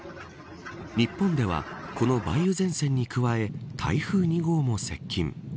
日本では、この梅雨前線に加え台風２号も接近。